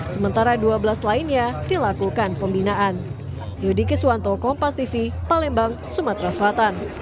sementara dua belas lainnya dilakukan pembinaan